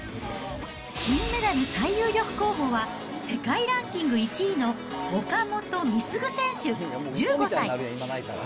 金メダル最有力候補は、世界ランキング１位の岡本碧優選手１５歳。